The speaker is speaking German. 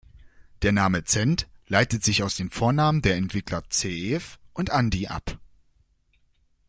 Der Name Zend leitet sich aus den Vornamen der Entwickler, Zeev und Andi, ab.